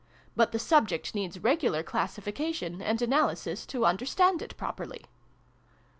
But the subject needs regular classification, and analysis, to understand it properly."